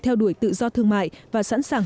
theo đuổi tự do thương mại và sẵn sàng